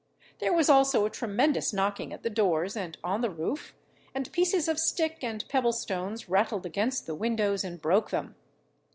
There was also a tremendous knocking at the doors and on the roof, and pieces of stick and pebble stones rattled against the windows and broke them.